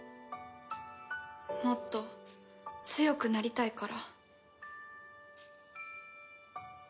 もっと強くなりたいから。